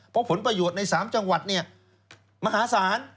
เพราะผลประโยชน์ใน๓จังหวัดมหาศาล